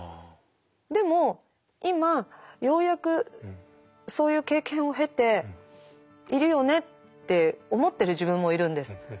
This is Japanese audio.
でも今ようやくそういう経験を経ているよねって思ってる自分もいるんです。